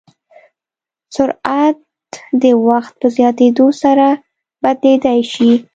سرعت د وخت په زیاتېدو سره بدلېدای شي.